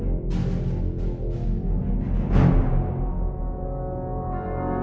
ที่สุดท้าย